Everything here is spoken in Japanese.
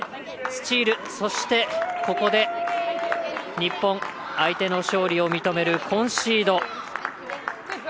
そして、ここで日本相手の勝利を認めるコンシード。